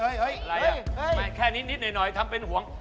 เฮ้ยอะไรอ่ะแค่นิดหน่อยทำเป็นห่วง